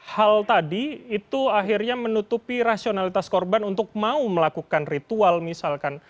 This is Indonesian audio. hal tadi itu akhirnya menutupi rasionalitas korban untuk mau melakukan ritual misalkan